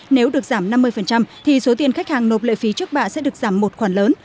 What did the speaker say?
nếu được giảm năm mươi thì số tiền khách hàng nộp lệ phí trước bạ sẽ được giảm một khoản lớn